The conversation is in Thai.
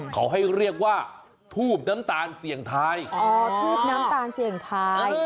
เขาให้เรียกว่าทูบน้ำตาลเสี่ยงทายอ๋อทูบน้ำตาลเสี่ยงทาย